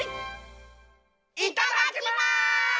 いただきます！